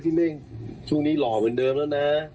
เม่งช่วงนี้หล่อเหมือนเดิมแล้วนะ